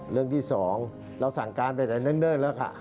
เรื่องที่๒เราสั่งการไปแต่เนิ่นแล้วค่ะ